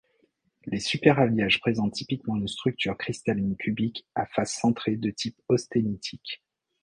Les superalliages présentent typiquement une structure cristalline cubique à faces centrées de type austénitique.